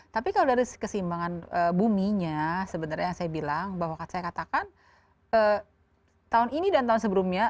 tapi kalau dari kesimbangan buminya sebenarnya yang saya bilang bahwa saya katakan tahun ini dan tahun sebelumnya